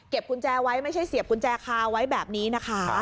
กุญแจไว้ไม่ใช่เสียบกุญแจคาไว้แบบนี้นะคะ